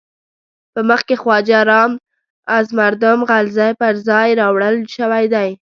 په مخ کې خواجه رام از مردم غلزی پر ځای راوړل شوی دی.